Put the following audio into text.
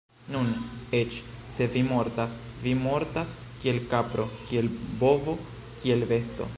Nun, eĉ se vi mortas, vi mortas kiel kapro, kiel bovo, kiel besto.